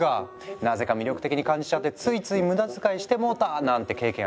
なぜか魅力的に感じちゃってついつい無駄遣いしてもうたなんて経験あるんじゃないですか？